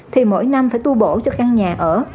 thì mỗi năm phải tu bổ cho căn nhà ở